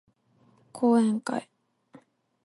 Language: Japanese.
講演会